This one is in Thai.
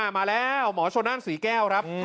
มาแล้วหมอชนนั่นศรีแก้วครับ